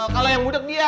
kalau yang budeg dia